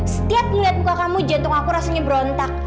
setiap melihat muka kamu jantung aku rasanya berontak